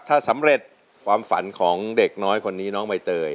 ถ้าสำเร็จความฝันของเด็กน้อยคนนี้น้องใบเตย